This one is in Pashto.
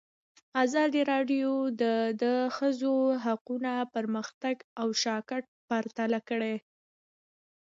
ازادي راډیو د د ښځو حقونه پرمختګ او شاتګ پرتله کړی.